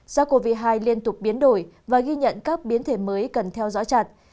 gia covid hai liên tục biến đổi và ghi nhận các biến thể mới cần theo dõi chặt